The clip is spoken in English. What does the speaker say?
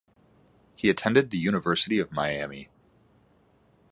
He attended the University of Miami.